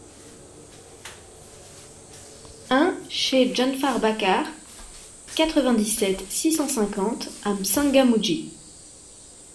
un cHE DJANFAR BACAR, quatre-vingt-dix-sept, six cent cinquante à M'Tsangamouji